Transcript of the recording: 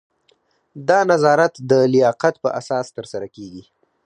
دا نظارت د لیاقت په اساس ترسره کیږي.